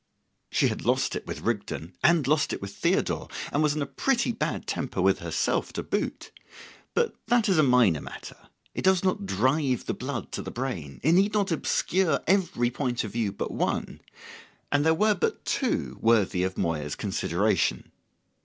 She had lost it with Rigden and lost it with Theodore, and was in a pretty bad temper with herself to boot; but that is a minor matter; it does not drive the blood to the brain; it need not obscure every point of view but one. And there were but two worthy of Moya's consideration.